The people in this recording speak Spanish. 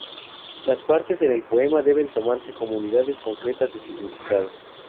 Las partes en el poema deben tomarse como unidades concretas de significado.